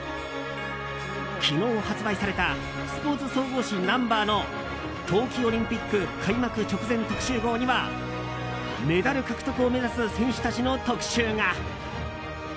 昨日、発売されたスポーツ総合誌「Ｎｕｍｂｅｒ」の冬季オリンピック開幕直前特集号にはメダル獲得を目指す選手たちの特集が。